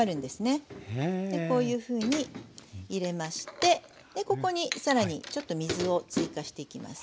こういうふうに入れましてここに更にちょっと水を追加していきます。